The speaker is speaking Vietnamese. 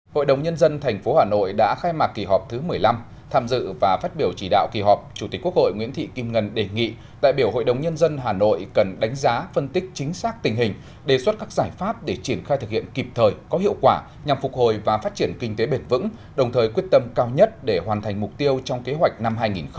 hội đồng nhân dân tp hà nội đã khai mạc kỳ họp thứ một mươi năm tham dự và phát biểu chỉ đạo kỳ họp chủ tịch quốc hội nguyễn thị kim ngân đề nghị đại biểu hội đồng nhân dân hà nội cần đánh giá phân tích chính xác tình hình đề xuất các giải pháp để triển khai thực hiện kịp thời có hiệu quả nhằm phục hồi và phát triển kinh tế bền vững đồng thời quyết tâm cao nhất để hoàn thành mục tiêu trong kế hoạch năm hai nghìn hai mươi